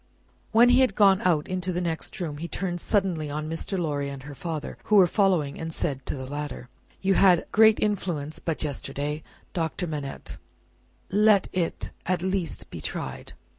When he had gone out into the next room, he turned suddenly on Mr. Lorry and her father, who were following, and said to the latter: "You had great influence but yesterday, Doctor Manette; let it at least be tried.